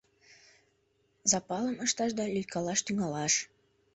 — Запалым ышташ да лӱйкалаш тӱҥалаш!